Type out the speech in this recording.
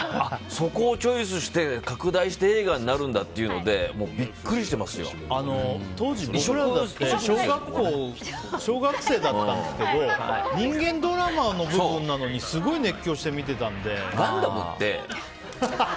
そこをチョイスして拡大して映画になるんだっていうので当時、僕らって小学生だったんですけど人間ドラマの部分なのにすごい熱狂して見てたので。